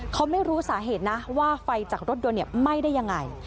เขาไม่รู้สาเหตุนะว่าไฟจากรถยนต์ไหม้ได้ยังไง